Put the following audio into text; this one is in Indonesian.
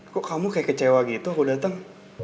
kok kamu kayak kecewa gitu aku datang